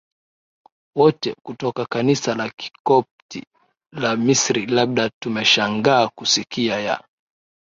wote kutoka Kanisa la Kikopti la Misri Labda tumeshangaa kusikia ya